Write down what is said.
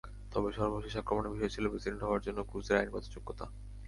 তাঁর সর্বশেষ আক্রমণের বিষয় ছিল প্রেসিডেন্ট হওয়ার জন্য ক্রুজের আইনগত যোগ্যতা।